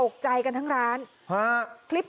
ครับ